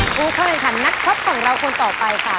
ทุกคนค่ะนักท็อปของเราคนต่อไปค่ะ